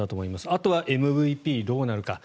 あとはＭＶＰがどうなるか。